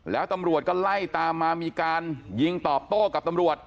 แล้วตำรวจก็ไล่ตามมามีการยิงตอบโต้กับตำรวจ